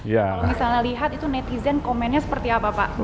kalau misalnya lihat itu netizen komennya seperti apa pak